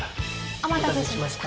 お待たせしました。